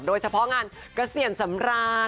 โดยเฉพาะงานกระเซียนสำราน